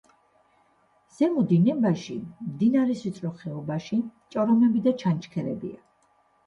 ზემო დინებაში, მდინარის ვიწრო ხეობაში, ჭორომები და ჩანჩქერებია.